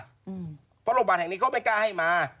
เพราะโรงพยาบาลแห่งนี้เขาไม่กล้าให้มา